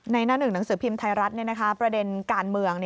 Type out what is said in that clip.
หน้าหนึ่งหนังสือพิมพ์ไทยรัฐประเด็นการเมือง